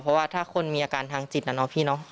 เพราะว่าถ้าคนมีอาการทางจิตนะเนาะพี่เนาะ